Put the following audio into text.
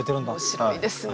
面白いですね。